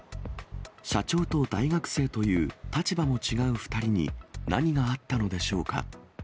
社長と大学生という立場の違う２人に何があったのでしょうか。